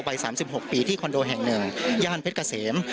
ใบสามสิบหกปีที่คอนโดแห่งหนึ่งย่านเพชรเกษม